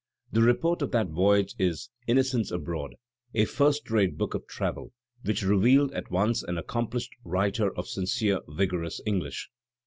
The report of that voyage is "Innocents Abroad," a first rate book of travel, which revealed at once an accomplished writer of sincere, vigorous English.